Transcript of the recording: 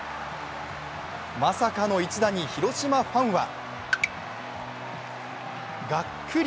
まさかの一打に広島ファンはがっくり。